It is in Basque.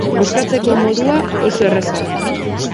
Bozkatzeko modua oso erraza da.